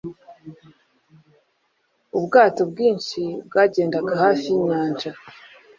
Ubwato bwinshi bwagendaga hafi yinyanja.